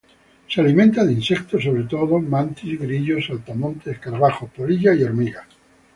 Se alimenta de insectos, sobre todo de mantis, grillos, saltamontes, escarabajos, polillas y hormigas.